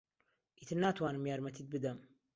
ئیتر ناتوانم یارمەتیت بدەم.